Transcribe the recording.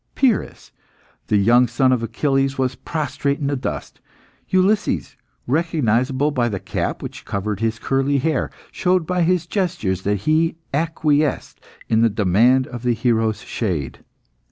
Pyrrhus, the young son of Achilles, was prostrate in the dust. Ulysses, recognisable by the cap which covered his curly hair, showed by his gestures that he acquiesced in the demand of the hero's shade.